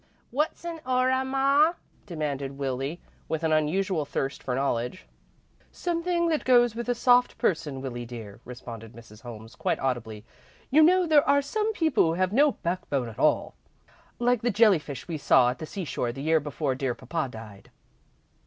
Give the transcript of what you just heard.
"What's a aura, ma?" demanded Willie, with an unusual thirst for knowledge. "Something that goes with a soft person, Willie, dear," responded Mrs. Holmes, quite audibly. "You know there are some people who have no backbone at all, like the jelly fish we saw at the seashore the year before dear papa died."